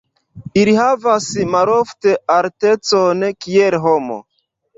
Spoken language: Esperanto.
Ili havas malofte altecon kiel homo.